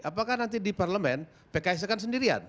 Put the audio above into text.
apakah nanti di parlemen pks nya kan sendirian